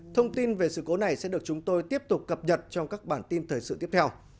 thông tin về sự cố này sẽ được chúng tôi tiếp tục cập nhật trong các bản tin thời sự tiếp theo